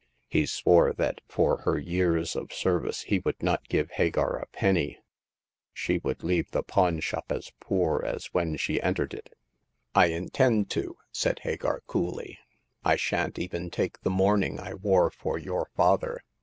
He swore that for her years of service he would not give Hagar a penny ; she would leave the pawn »hop as poor as when she entered it. I intend to," said Hagar, coolly. " I shan't even take the mourning I wore for your father.